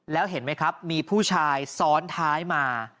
แล้วเห็นไหมครับมีผู้ชายซ้อนท้ายมา